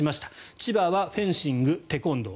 千葉はフェンシング、テコンドー。